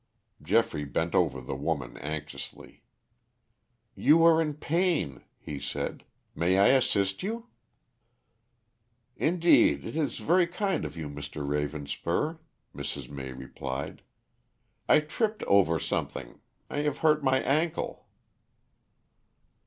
Geoffrey bent over the woman anxiously. "You are in pain," he said. "May I assist you?" "Indeed, it is very kind of you, Mr. Ravenspur," Mrs. May replied. "I tripped over something. I have hurt my ankle."